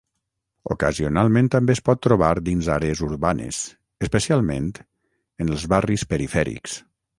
Ocasionalment també es pot trobar dins àrees urbanes, especialment en els barris perifèrics.